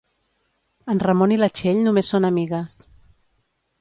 En Ramon i la Txell només són amigues.